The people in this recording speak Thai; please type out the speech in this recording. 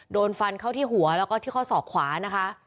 โดนฟันเข้าที่หัวแล้วก็ที่ข้อศอกขวานะคะ